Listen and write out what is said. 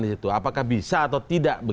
di situ apakah bisa atau tidak